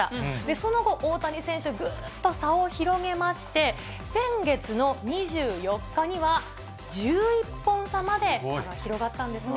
その後、大谷選手、ぐーっと差を広げまして、先月の２４日には１１本差まで差が広がったんですね。